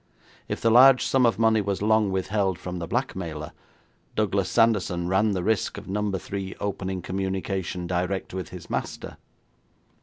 If the large sum of money was long withheld from the blackmailer, Douglas Sanderson ran the risk of Number Three opening up communication direct with his master.